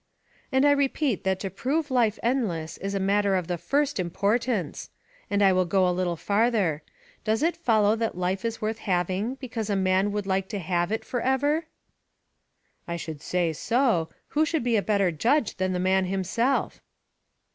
"And I repeat that to prove life endless is a matter of the FIRST importance. And I will go a little farther. Does it follow that life is worth having because a man would like to have it for ever?" "I should say so; who should be a better judge than the man himself?"